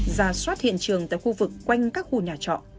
ra soát hiện trường tại khu vực quanh các khu nhà trọ